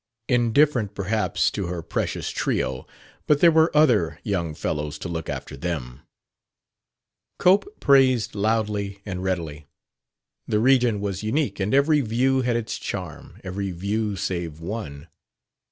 Indifferent, perhaps, to her precious Trio; but there were other young fellows to look after them. Cope praised loudly and readily. The region was unique and every view had its charm every view save one.